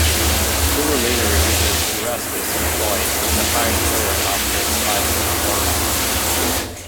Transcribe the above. Pullo later enters Erastes' employ as a hired killer after a fight with Vorenus.